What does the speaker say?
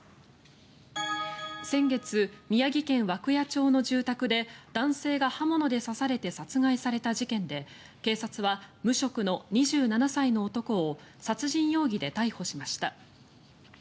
先月、宮城県涌谷町の住宅で男性が刃物で刺されて殺害された事件で警察は無職の２７歳の男を殺人容疑で逮捕しました。